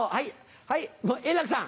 はい円楽さん。